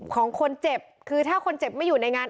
ของคนเจ็บคือถ้าคนเจ็บไม่อยู่ในงาน